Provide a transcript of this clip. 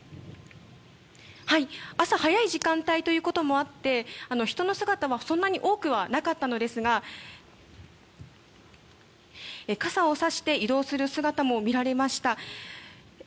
朝早い時間帯ということもあって人の姿はそんなに多くはなかったのですが傘を差して移動する姿も見られました。